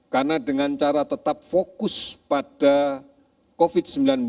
karena dengan cara tetap fokus pada covid sembilan belas